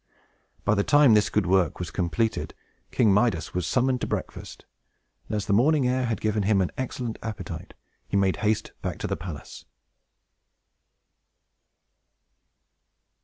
By the time this good work was completed, King Midas was summoned to breakfast; and as the morning air had given him an excellent appetite, he made haste back to the palace.